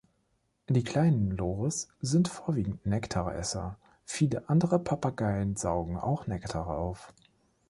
Die kleinen Loris sind vorwiegend Nektaresser; viele andere Papageien saugen auch Nektar auf.